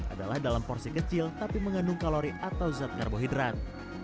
adalah dalam porsi kecil tapi mengandung kalori atau zat karbohidrat